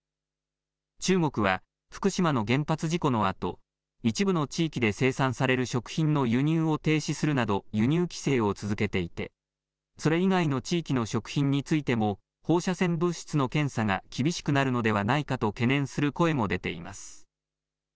中国は、福島の原発事故のあと、一部の地域で生産される食品の輸入を停止するなど、輸入規制を続けていて、それ以外の地域の食品についても放射線物質の検査が厳しくなるのではないかと懸念する声も出ています。